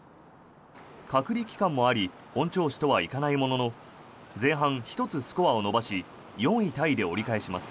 隔離期間もあり本調子とはいかないものの前半１つスコアを伸ばし４位タイで折り返します。